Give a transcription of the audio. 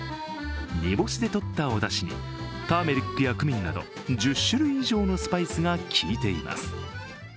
煮干しでとったおだしにターメリックやクミンなど１０種類以上のスパイスが効いています。